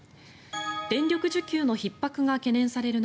電力需給のひっ迫が懸念される